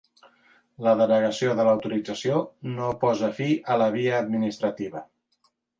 La denegació de l'autorització no posa fi a la via administrativa.